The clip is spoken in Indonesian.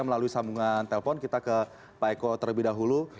melalui sambungan telpon kita ke pak eko terlebih dahulu